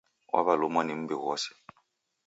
Waw'alumwa ni m'mbi ghose.